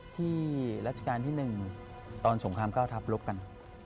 ที่รัชกาลที่๑ตอนสงครามเก้าทัพลกกัน